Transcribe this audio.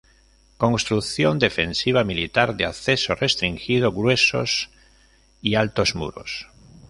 Construcción defensiva militar de acceso restringido, gruesos y altos muros.